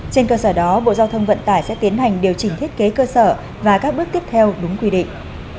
trên cơ sở đó bộ giao thông vận tải sẽ tiến hành điều chỉnh thiết kế cơ sở và các bước tiếp theo đúng quy định